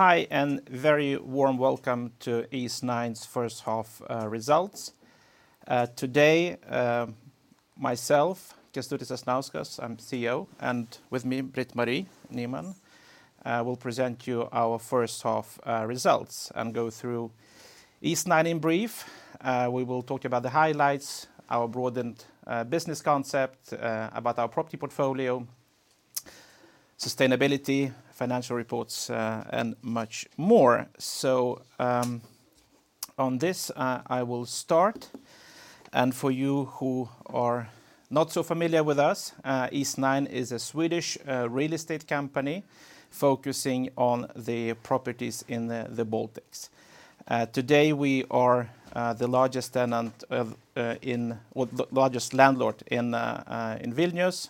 Hi, a very warm welcome to Eastnine's First-Half Results. Today, myself, Kestutis Sasnauskas, I'm CEO, and with me, Britt-Marie Nyman. We'll present you our first-half results and go through Eastnine in brief. We will talk about the highlights, our broadened business concept, about our property portfolio, sustainability, financial reports, and much more. On this, I will start. For you who are not so familiar with us, Eastnine is a Swedish real estate company focusing on the properties in the Baltics. Today, we are the largest landlord in Vilnius.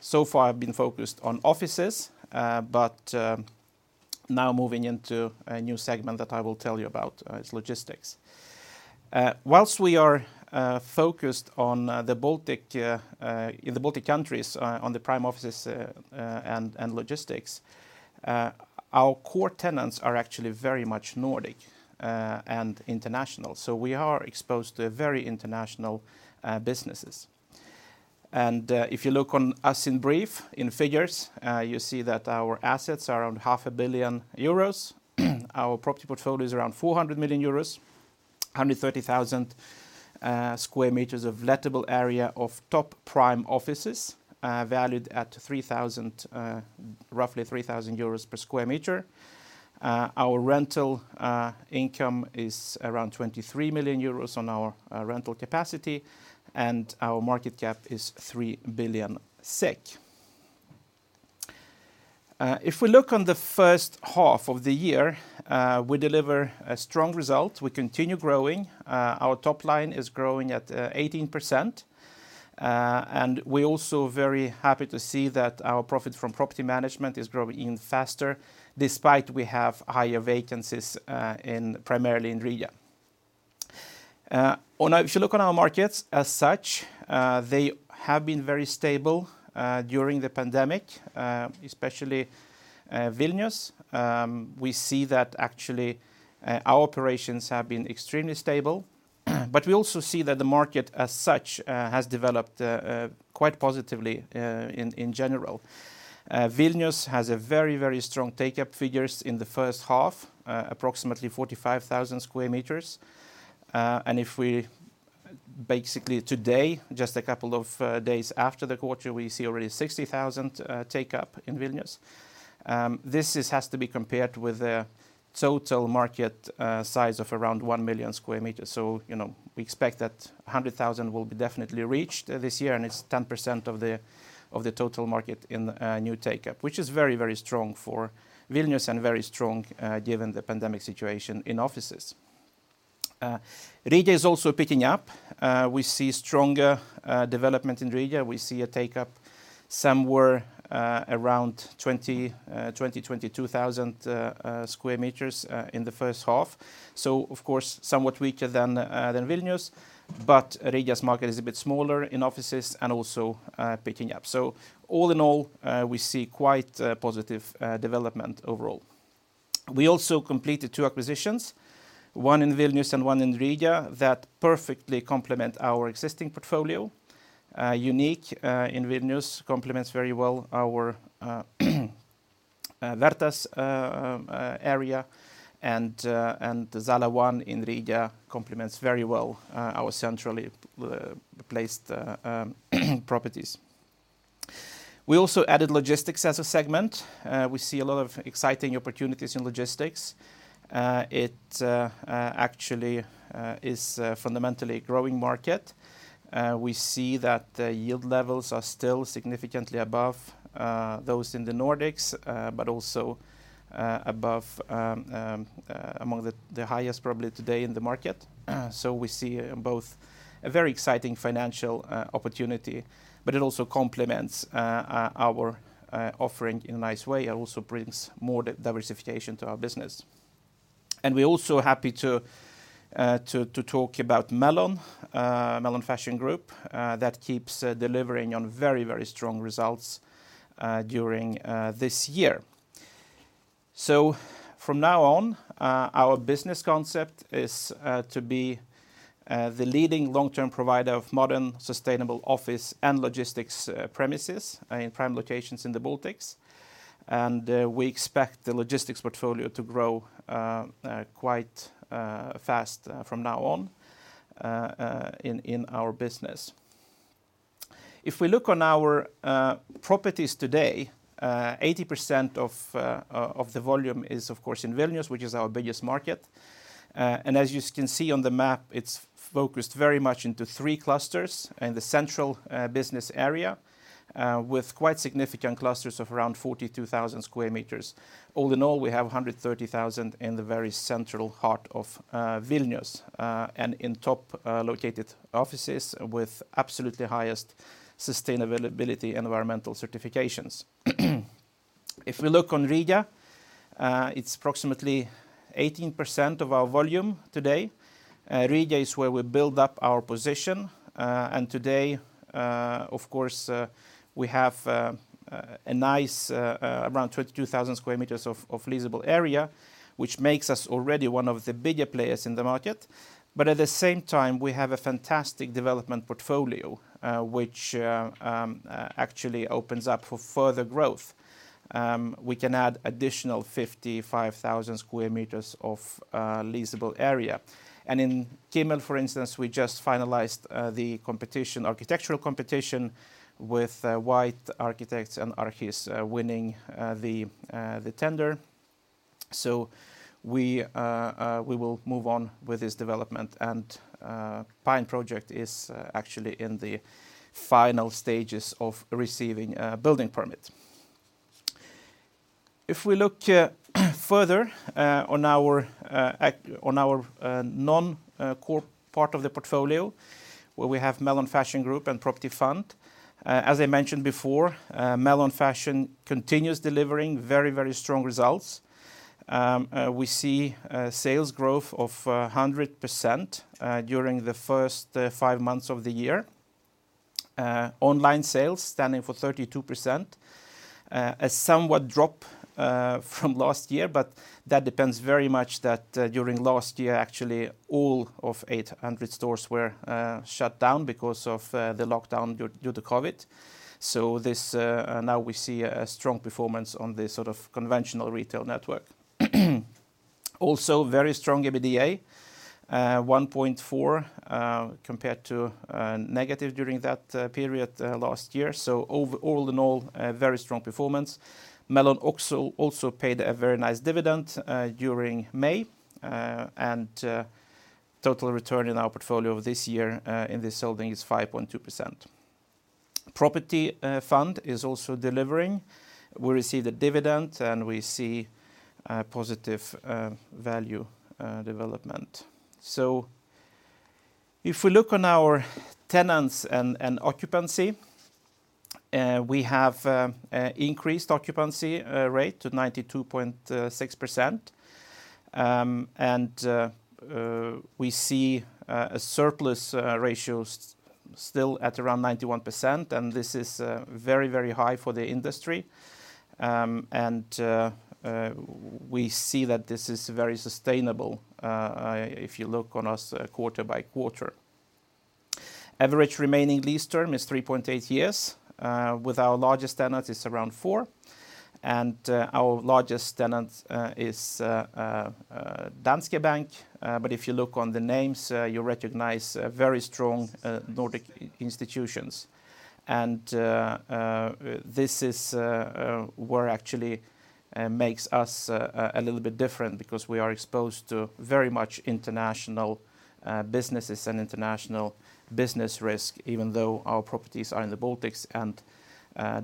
So far, we've been focused on offices, but now moving into a new segment that I will tell you about, is logistics. Whilst we are focused on the Baltic countries, on the prime offices and logistics, our core tenants are actually very much Nordic and international. We are exposed to very international businesses. If you look on us in brief, in figures, you see that our assets are around 0.5 billion euros. Our property portfolio is around 400 million euros, 130,000 sq m of lettable area of top prime offices, valued at roughly 3,000 euros per square meter. Our rental income is around 23 million euros on our rental capacity, and our market cap is 3 billion SEK. If we look at the first half of the year, we deliver a strong result. We continue growing. Our top line is growing at 18%, and we're also very happy to see that our profit from property management is growing even faster, despite we have higher vacancies primarily in Riga. If you look at our markets as such, they have been very stable during the pandemic, especially Vilnius. We see that actually our operations have been extremely stable. We also see that the market as such has developed quite positively in general. Vilnius has very strong take-up figures in the first half, approximately 45,000 sq m. If we, basically today, just a couple of days after the quarter, we see already 60,000 take-up in Vilnius. This has to be compared with the total market size of around 1 million sq m. We expect that 100,000 will be definitely reached this year, and it's 10% of the total market in new take-up, which is very strong for Vilnius and very strong given the pandemic situation in offices. Riga is also picking up. We see stronger development in Riga. We see a take-up somewhere around 20,000-22,000 sq m in the first half. Of course, somewhat weaker than Vilnius, but Riga's market is a bit smaller in offices and also picking up. All in all, we see quite a positive development overall. We also completed two acquisitions, one in Vilnius and one in Riga, that perfectly complement our existing portfolio. Uniq in Vilnius complements very well our Vertas area, and Zala 1 in Riga complements very well our centrally placed properties. We also added logistics as a segment. We see a lot of exciting opportunities in logistics. It actually is a fundamentally growing market. We see that the yield levels are still significantly above those in the Nordics, but also among the highest probably today in the market. We see both a very exciting financial opportunity, but it also complements our offering in a nice way and also brings more diversification to our business. We're also happy to talk about Melon Fashion Group, that keeps delivering on very strong results during this year. From now on, our business concept is to be the leading long-term provider of modern, sustainable office and logistics premises in prime locations in the Baltics. We expect the logistics portfolio to grow quite fast from now on in our business. If we look at our properties today, 80% of the volume is, of course, in Vilnius, which is our biggest market. As you can see on the map, it's focused very much into three clusters in the central business area, with quite significant clusters of around 42,000 sq m. All in all, we have 130,000 in the very central heart of Vilnius, and in top-located offices with absolutely highest sustainability and environmental certifications. If we look on Riga, it's approximately 18% of our volume today. Riga is where we build up our position. Today, of course, we have a nice around 22,000 sq m of leasable area, which makes us already one of the bigger players in the market. At the same time, we have a fantastic development portfolio, which actually opens up for further growth. We can add additional 55,000 sq m of leasable area. In Kimmel, for instance, we just finalized the architectural competition with White Arkitekter and Arches winning the tender. We will move on with this development. The Pine Project is actually in the final stages of receiving a building permit. If we look further on our non-core part of the portfolio, where we have Melon Fashion Group and Property Fund. As I mentioned before, Melon Fashion continues delivering very strong results. We see sales growth of 100% during the first five months of the year. Online sales standing for 32%, a somewhat drop from last year, but that depends very much that during last year, actually, all of 800 stores were shut down because of the lockdown due to COVID. Now we see a strong performance on the conventional retail network. Also very strong EBITDA, 1.4 compared to negative during that period last year. All in all, a very strong performance. Melon also paid a very nice dividend during May, total return in our portfolio this year in this holding is 5.2%. Property Fund is also delivering. We receive the dividend, we see positive value development. If we look on our tenants and occupancy, we have increased occupancy rate to 92.6%. We see surplus ratios still at around 91%, this is very high for the industry. We see that this is very sustainable if you look on us quarter by quarter. Average remaining lease term is 3.8 years. With our largest tenant, it's around four. Our largest tenant is Danske Bank. If you look on the names, you recognize very strong Nordic institutions. This is where actually makes us a little bit different because we are exposed to very much international businesses and international business risk, even though our properties are in the Baltics and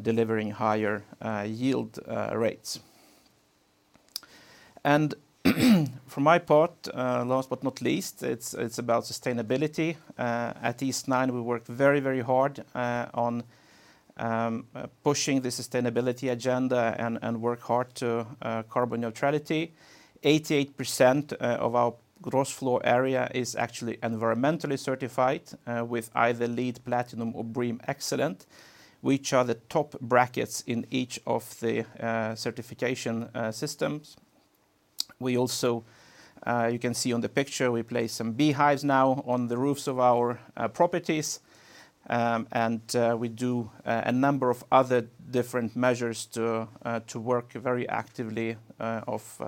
delivering higher yield rates. For my part, last but not least, it's about sustainability. At Eastnine, we work very hard on pushing the sustainability agenda and work hard to carbon neutrality. 88% of our gross floor area is actually environmentally certified with either LEED Platinum or BREEAM Excellent, which are the top brackets in each of the certification systems. You can see in the picture, we place some beehives now on the roofs of our properties. We do a number of other different measures to work very actively of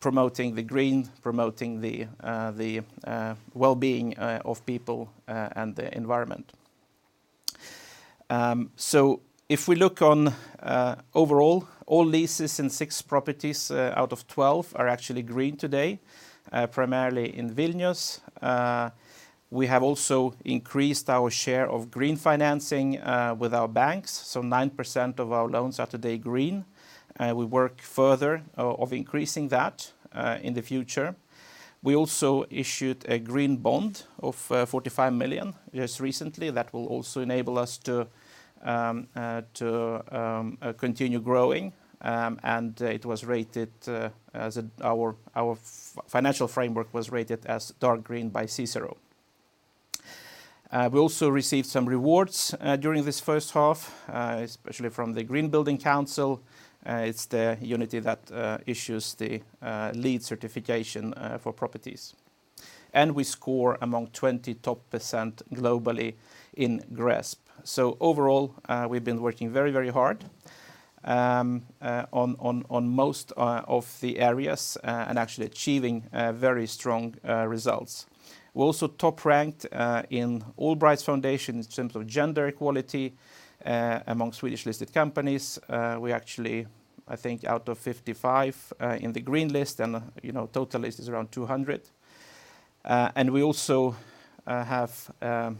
promoting the green, promoting the well-being of people and the environment. If we look on overall, all leases in six properties out of 12 are actually green today, primarily in Vilnius. We have also increased our share of green financing with our banks. 9% of our loans are today green. We work further of increasing that in the future. We also issued a green bond of 45 million just recently that will also enable us to continue growing. Our financial framework was rated as dark green by CICERO. We also received some rewards during this first half, especially from the Green Building Council. It's the entity that issues the LEED certification for properties. We score among 20 top percent globally in GRESB. Overall, we've been working very hard on most of the areas and actually achieving very strong results. We also top-ranked in Allbright Foundation in terms of gender equality amongst Swedish-listed companies. We actually, I think out of 55 in the green list, and total list is around 200. We also have a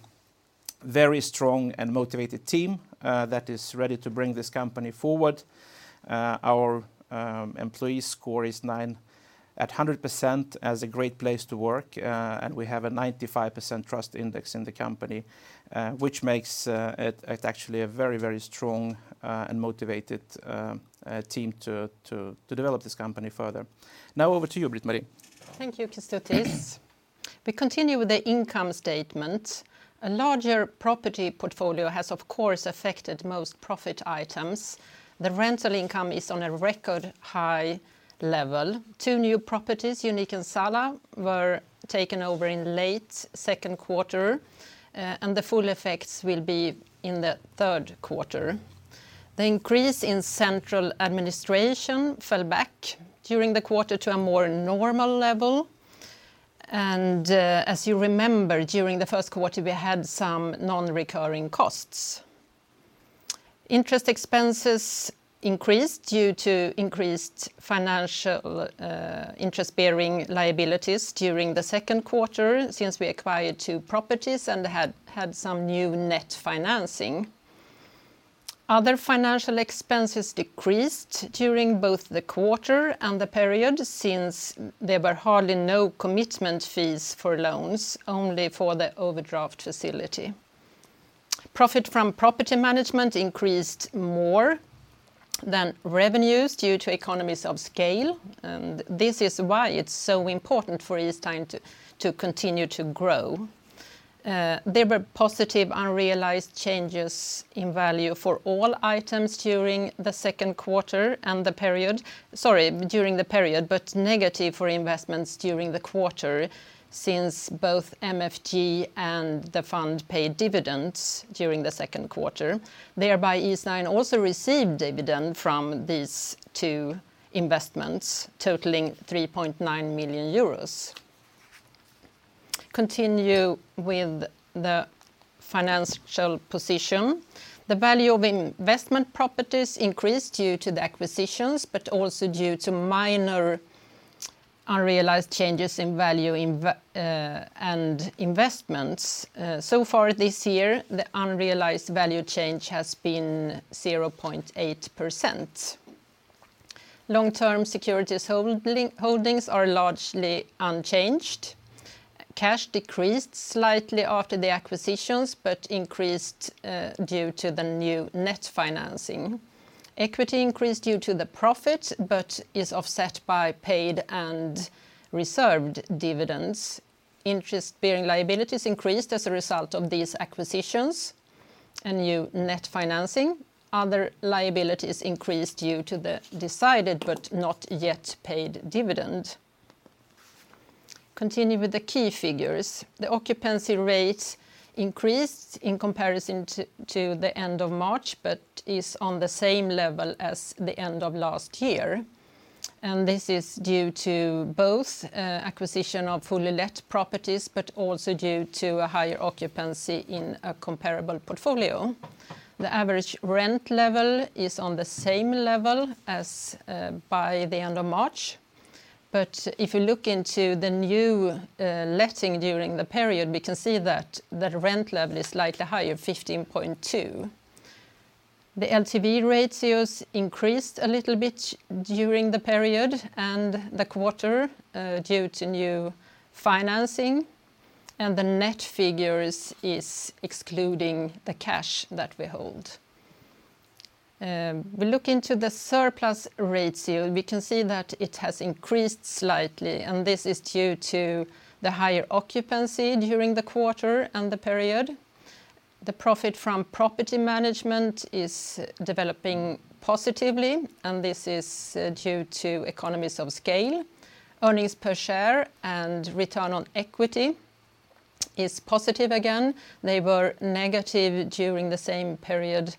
very strong and motivated team that is ready to bring this company forward. Our employee score is at 100% as a great place to work, and we have a 95% trust index in the company, which makes it actually a very strong and motivated team to develop this company further. Now over to you, Britt-Marie. Thank you, Kestutis. We continue with the income statement. A larger property portfolio has, of course, affected most profit items. The rental income is on a record high level. Two new properties, Uniq and Zala, were taken over in late second quarter, and the full effects will be in the third quarter. The increase in central administration fell back during the quarter to a more normal level. As you remember, during the first quarter, we had some non-recurring costs. Interest expenses increased due to increased financial interest-bearing liabilities during the second quarter since we acquired two properties and had some new net financing. Other financial expenses decreased during both the quarter and the period since there were hardly no commitment fees for loans, only for the overdraft facility. Profit from property management increased more than revenues due to economies of scale, and this is why it's so important for Eastnine to continue to grow. There were positive unrealized changes in value for all items during the second quarter and the period. Sorry, during the period, but negative for investments during the quarter since both MFG and the fund paid dividends during the second quarter. Thereby, Eastnine also received dividend from these two investments totaling 3.9 million euros. Continue with the financial position. The value of investment properties increased due to the acquisitions, but also due to minor unrealized changes in value and investments. So far this year, the unrealized value change has been 0.8%. Long-term securities holdings are largely unchanged. Cash decreased slightly after the acquisitions but increased due to the new net financing. Equity increased due to the profit but is offset by paid and reserved dividends. Interest-bearing liabilities increased as a result of these acquisitions and new net financing. Other liabilities increased due to the decided but not yet paid dividend. Continue with the key figures. The occupancy rate increased in comparison to the end of March but is on the same level as the end of last year. This is due to both acquisition of fully let properties, but also due to a higher occupancy in a comparable portfolio. The average rent level is on the same level as by the end of March, but if you look into the new letting during the period, we can see that the rent level is slightly higher at 15.2. The LTV ratios increased a little bit during the period and the quarter due to new financing, and the net figure is excluding the cash that we hold. We look into the surplus ratio, we can see that it has increased slightly. This is due to the higher occupancy during the quarter and the period. The profit from property management is developing positively. This is due to economies of scale. Earnings per share and return on equity is positive again. They were negative during the same period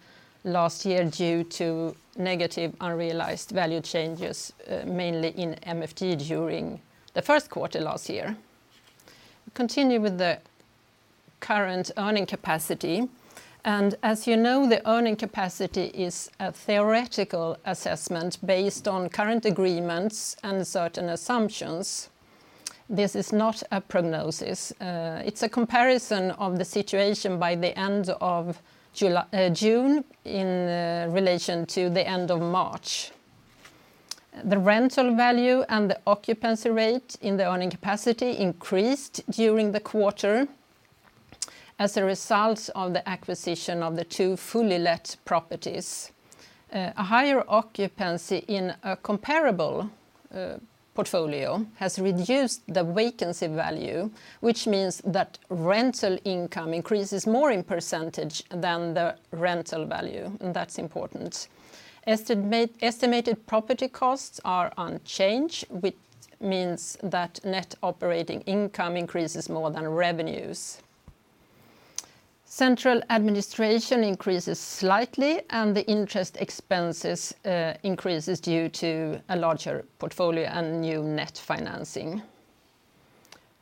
last year due to negative unrealized value changes, mainly in MFG during the first quarter last year. Continue with the current earning capacity. As you know, the earning capacity is a theoretical assessment based on current agreements and certain assumptions. This is not a prognosis. It's a comparison of the situation by the end of June in relation to the end of March. The rental value and the occupancy rate in the earning capacity increased during the quarter as a result of the acquisition of the two fully let properties. A higher occupancy in a comparable portfolio has reduced the vacancy value, which means that rental income increases more in percentage than the rental value, and that's important. Estimated property costs are unchanged, which means that net operating income increases more than revenues. Central administration increases slightly, and the interest expenses increases due to a larger portfolio and new net financing.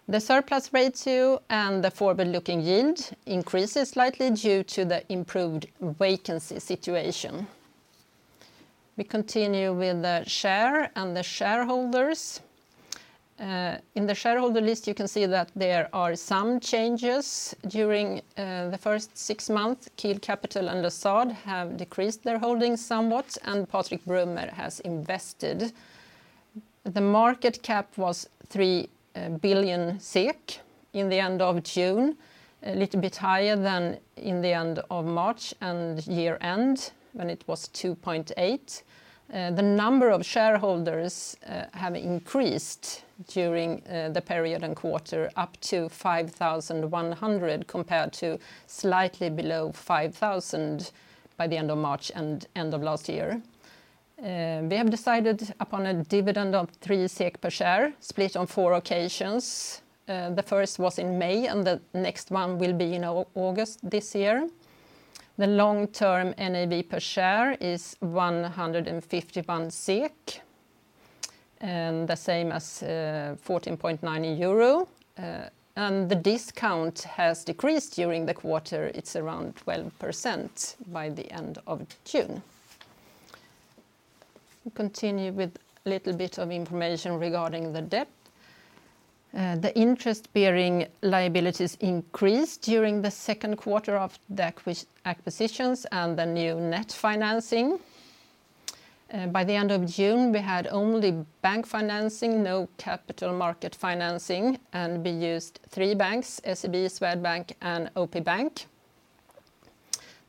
The surplus ratio and the forward-looking yield increases slightly due to the improved vacancy situation. We continue with the share and the shareholders. In the shareholder list, you can see that there are some changes. During the first six months, Keel Capital and [Azade] have decreased their holdings somewhat, and Patrik Brummer has invested. The market cap was 3 billion SEK at the end of June, a little bit higher than at the end of March and year-end, when it was 2.8 billion. The number of shareholders has increased during the period and quarter, up to 5,100, compared to slightly below 5,000 by the end of March and end of last year. We have decided upon a dividend of 3 SEK per share, split on four occasions. The first was in May, the next one will be in August this year. The long-term NAV per share is 151 SEK, the same as 14.9 euro. The discount has decreased during the quarter. It's around 12% by the end of June. Continue with a little bit of information regarding the debt. The interest-bearing liabilities increased during the second quarter after the acquisitions and the new net financing. By the end of June, we had only bank financing, no capital market financing, and we used three banks, SEB, Swedbank, and OP Bank.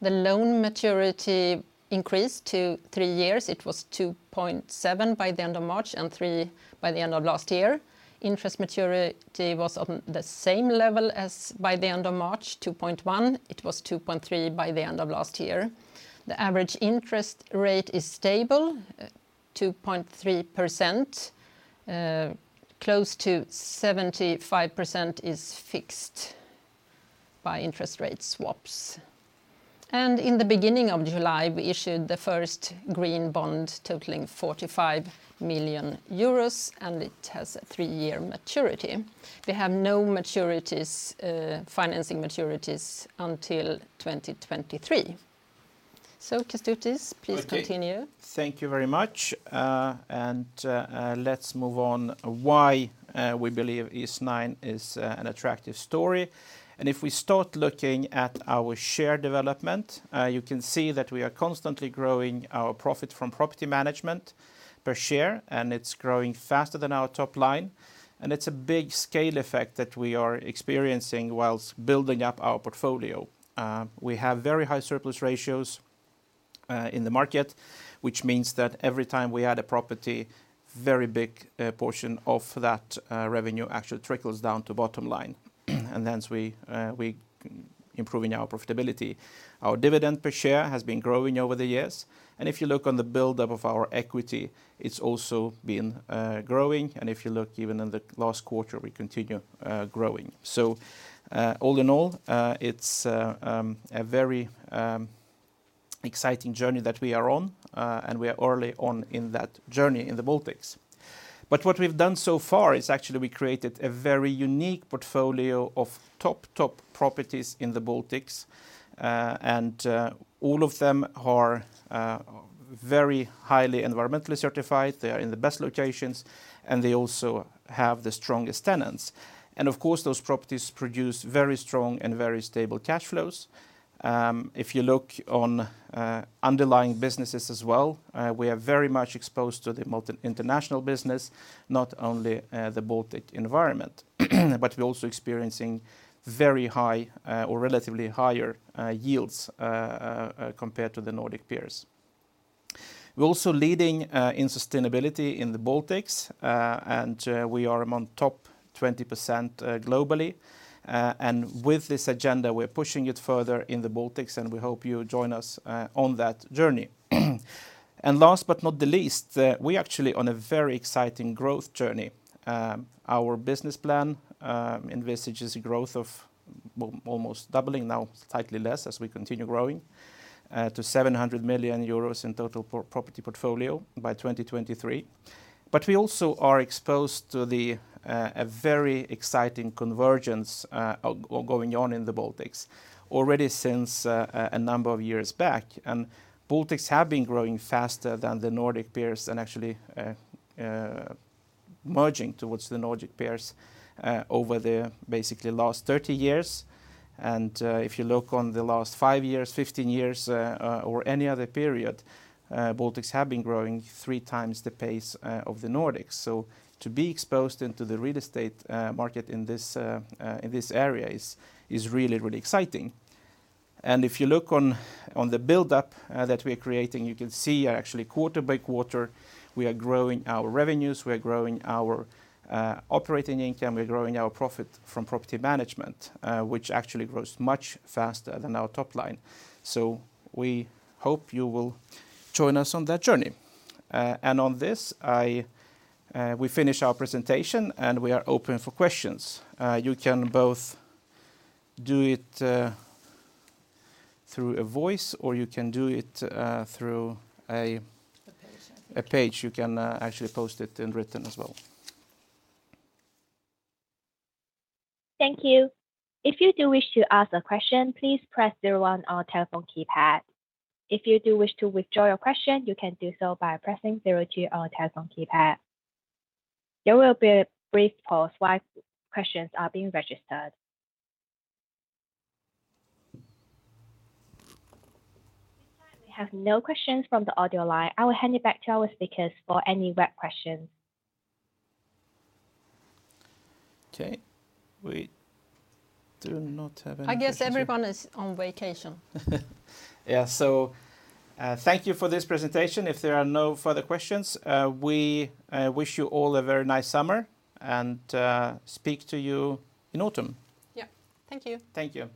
The loan maturity increased to three years. It was 2.7 by the end of March and three by the end of last year. Interest maturity was at the same level as by the end of March, 2.1. It was 2.3 by the end of last year. The average interest rate is stable at 2.3%. Close to 75% is fixed by interest rate swaps. In the beginning of July, we issued the first green bond totaling 45 million euros, and it has a three-year maturity. We have no financing maturities until 2023. Kestutis, please continue. Okay, thank you very much. Let's move on. Why we believe Eastnine is an attractive story. If we start looking at our share development, you can see that we are constantly growing our profit from property management per share, and it's growing faster than our top line. It's a big scale effect that we are experiencing whilst building up our portfolio. We have very high surplus ratios in the market, which means that every time we add a property, a very big portion of that revenue actually trickles down to bottom line, hence we are improving our profitability. Our dividend per share has been growing over the years. If you look on the buildup of our equity, it's also been growing. If you look even in the last quarter, we continue growing. All in all, it's a very exciting journey that we are on, and we are early on in that journey in the Baltics. What we've done so far is actually we created a very unique portfolio of top properties in the Baltics, and all of them are very highly environmentally certified. They're in the best locations, and they also have the strongest tenants. Of course, those properties produce very strong and very stable cash flows. If you look on underlying businesses as well, we are very much exposed to the international business, not only the Baltic environment, but we're also experiencing very high or relatively higher yields compared to the Nordic peers. We're also leading in sustainability in the Baltics, and we are among the top 20% globally. With this agenda, we're pushing it further in the Baltics, and we hope you join us on that journey. Last but not least, we're actually on a very exciting growth journey. Our business plan envisages a growth of almost doubling, now slightly less as we continue growing, to 700 million euros in total property portfolio by 2023. We also are exposed to the very exciting convergence going on in the Baltics already since a number of years back. Baltics have been growing faster than the Nordic peers and actually merging towards the Nordic peers over the basically last 30 years. If you look on the last five years, 15 years, or any other period, Baltics have been growing 3 times the pace of the Nordics. To be exposed into the real estate market in this area is really exciting. If you look on the buildup that we're creating, you can see actually quarter by quarter, we are growing our revenues, we're growing our operating income, we're growing our profit from property management, which actually grows much faster than our top line. We hope you will join us on that journey. On this, we finish our presentation, and we are open for questions. You can both do it through a voice or you can do it through- A page. A page. You can actually post it in written as well. Thank you. If you do wish to ask a question, please press zero one on your telephone keypad. If you do wish to withdraw your question, you can do so by pressing zero two on your telephone keypad. There will be a brief pause while questions are being registered. We have no questions from the audio line. I will hand you back to our speakers for any questions. Okay. We do not have any questions. I guess everyone is on vacation. Yeah, thank you for this presentation. If there are no further questions, we wish you all a very nice summer and speak to you in autumn. Yeah. Thank you. Thank you.